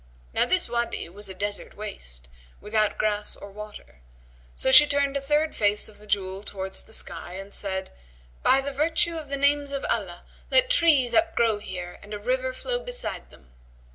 Now this Wady was a desert waste, without grass or water; so she turned a third face of the jewel towards the sky, and said, "By the virtue of the names of Allah, let trees upgrow here and a river flow beside them!"